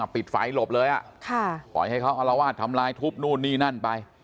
อ่ะปิดไฟล์หลบเลยอ่ะค่ะปล่อยให้เขาเอาละว่าทำลายทุบนู่นนี่นั่นไป